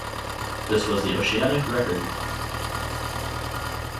This was the Oceanic record.